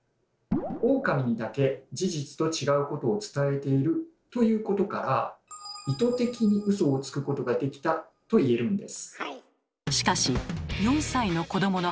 オオカミにだけ事実と違うことを伝えているということから意図的にウソをつくことができたといえるんです。